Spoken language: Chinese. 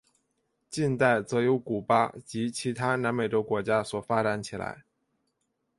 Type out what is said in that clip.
近代则由古巴及其他南美洲国家所发展起来。